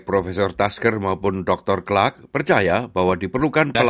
biasanya tidak ada pelabelan langsung pfas dalam produk yang dijual di australia